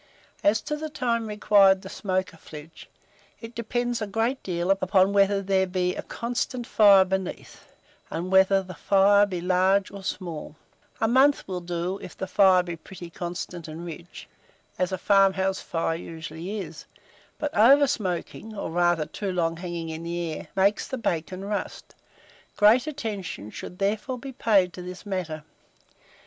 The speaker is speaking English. As to the time required to smoke a flitch, it depends a good deal upon whether there be a constant fire beneath; and whether the fire be large or small: a month will do, if the fire be pretty constant and rich, as a farmhouse fire usually is; but over smoking, or rather too long hanging in the air, makes the bacon rust; great attention should therefore be paid to this matter.